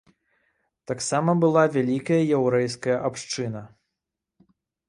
Таксама была вялікая яўрэйская абшчына.